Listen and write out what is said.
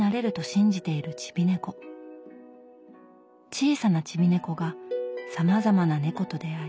小さな「チビ猫」がさまざまな猫と出会い